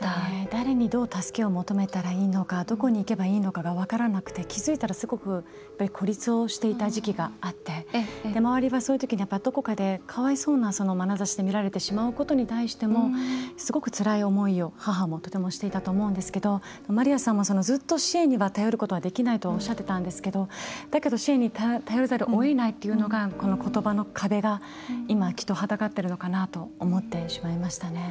誰にどう助けを求めたらいいのかどこに行けばいいのかが分からなくて気付いたら、すごく孤立をしていた時期があって周りはそういうときにどこかでかわいそうなまなざしで見られてしまうことに対してもすごくつらい思いを、母もとてもしていたと思うんですけどマリアさんもずっと支援には頼ることはできないとおっしゃってたんですけどだけど、支援に頼らざるをえないというのがことばの壁が今きっと立ちはだかっているのかなと思ってしまいましたね。